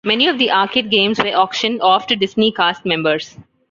Many of the arcade games were auctioned off to Disney Cast Members.